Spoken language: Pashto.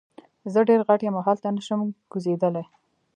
زه ډیر غټ یم او هلته نشم کوزیدلی.